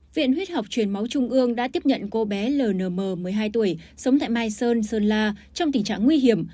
viện huyết học truyền máu trung ương đã tiếp nhận cô bé ln một mươi hai tuổi sống tại mai sơn sơn la trong tình trạng nguy hiểm